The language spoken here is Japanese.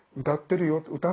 歌ってるよ